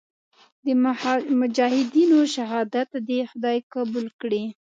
د مجاهدینو شهادت دې خدای قبول کړي.